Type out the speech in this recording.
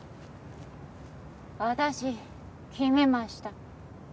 私決めました。